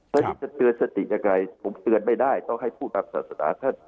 วันนี้จะเตือนสติยังไงผมเตือนไม่ได้ต้องให้พูดตามศาสนา